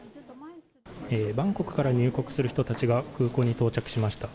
バンコクから入国する人たちが空港に到着しました。